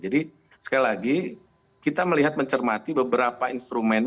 jadi sekali lagi kita melihat mencermati beberapa instrumen